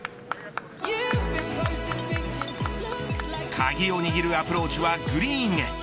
鍵を握るアプローチはグリーンへ。